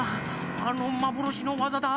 あのまぼろしのわざだ。